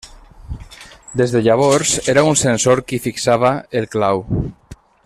Des de llavors era un censor qui fixava el clau.